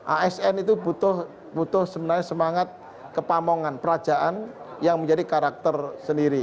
asn itu butuh sebenarnya semangat kepamongan perajaan yang menjadi karakter sendiri